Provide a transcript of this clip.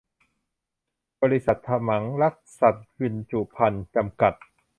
บริษัท ถมังรักษสัตว์บรรจุภัณฑ์ จำกัด